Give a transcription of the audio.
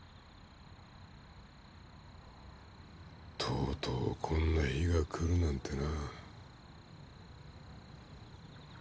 とうとうこんな日が来るなんてな。